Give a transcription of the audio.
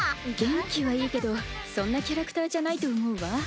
元気はいいけどそんなキャラクターじゃないと思うわ。